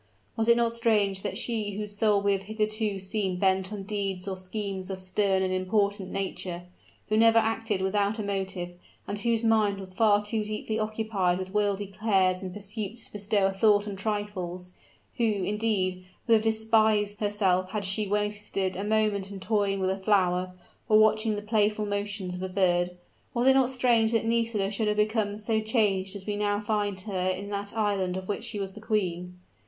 Was it not strange that she whose soul we have hitherto seen bent on deeds or schemes of stern and important nature who never acted without a motive, and whose mind was far too deeply occupied with worldly cares and pursuits to bestow a thought on trifles who, indeed, would have despised herself had she wasted a moment in toying with a flower, or watching the playful motions of a bird, was it not strange that Nisida should have become so changed as we now find her in that island of which she was the queen?